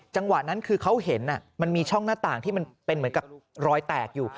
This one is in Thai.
จังหวะนั้นคือเขาเห็นมันมีช่องหน้าต่างที่มันเป็นเหมือนกับรอยแตกอยู่